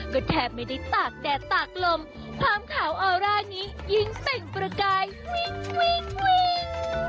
ก็แทบไม่ได้ตากแดดตากลมความขาวออร่านี้ยิ่งเปล่งประกายวิ่งวิ่ง